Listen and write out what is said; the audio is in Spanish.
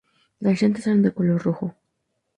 Las llantas eran de color rojo.